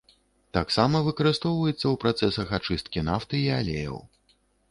Таксама выкарыстоўваецца ў працэсах ачысткі нафты і алеяў.